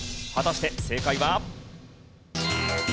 果たして正解は。